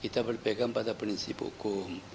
kita berpegang pada prinsip hukum